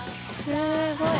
すごい。